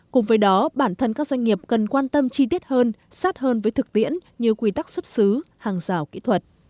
cùng với đó bản thân các doanh nghiệp cần quan tâm chi tiết hơn sát hơn với thực tiễn như quy tắc xuất xứ hàng rào kỹ thuật